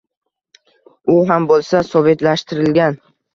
U ham bo‘lsa sovetlashtirilgan.